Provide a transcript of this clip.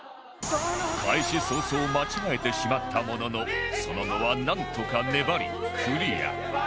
開始早々間違えてしまったもののその後はなんとか粘りクリア